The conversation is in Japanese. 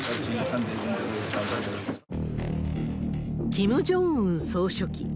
キム・ジョンウン総書記。